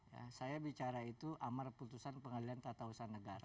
ya saya bicara itu amar putusan pengadilan tata usaha negara